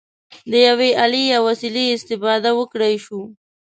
د یوې الې یا وسیلې استفاده وکړای شوه.